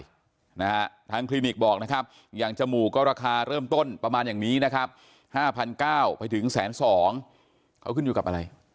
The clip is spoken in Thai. เพราะทางคลินิกบอกนะครับอย่างจมูกก็ราคาเริ่มต้นประมาณยังนี้นะครับ๕๐๐๐ก้าวไปถึง๑๒๐๐๐๐เขาขึ้นอยู่กับอะไร